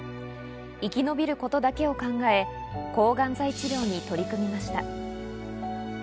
生き延びることだけを考え、抗がん剤治療に取り組みました。